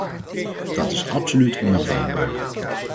Dat is absoluut onaanvaardbaar.